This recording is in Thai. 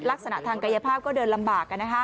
ลักษณะทางกายภาพก็เดินลำบาก